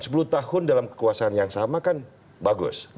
sepuluh tahun dalam kekuasaan yang sama kan bagus